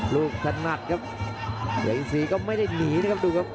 ลูกถนัดครับอย่างอีกสี่ก็ไม่ได้หนีนะครับดูครับ